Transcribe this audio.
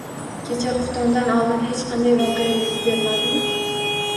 – Kecha xuftondan oldin hech qanday voqea yuz bermadimi?